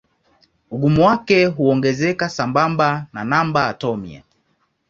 Ugumu wake huongezeka sambamba na namba atomia.